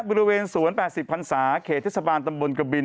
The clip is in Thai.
บริเวณสวน๘๐พันศาเขตเทศบาลตำบลกบิน